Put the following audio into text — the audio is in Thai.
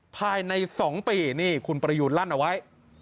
ภายใน๒ปีนี่คุณประยูนลั่นเอาไว้